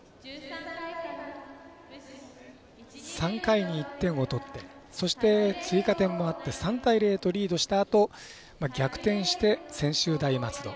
３回に１点を取ってそして、追加点もあって３対０とリードしたあと逆転して、専修大松戸。